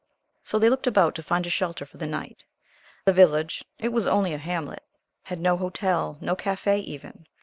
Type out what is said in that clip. So they looked about to find a shelter for the night. The village it was only a hamlet had no hotel, no café, even.